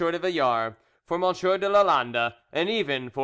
de Villars, for M. de Lalande, and even for M.